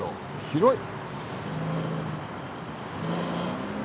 広い！